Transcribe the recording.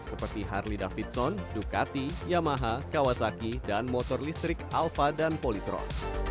seperti harley davidson ducati yamaha kawasaki dan motor listrik alfa dan politron